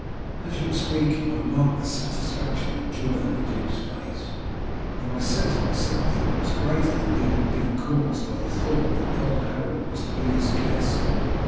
As you were speaking I marked the satisfaction and joy on the duke's face, and I said to myself that it was greater than need have been caused by the thought that Earl Harold was to be his guest."